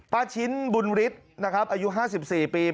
ป้าชิ้นบุญฤทธิ์นะครับอายุ๕๔ปี